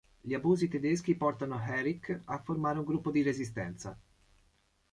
Gli abusi tedeschi portano Erik a formare un gruppo di Resistenza.